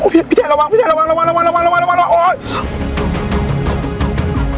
พี่แทนระวังระวังระวัง